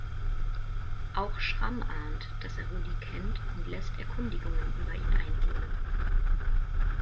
Auch Schramm ahnt, dass er Rudi kennt, und lässt Erkundigungen über ihn einholen.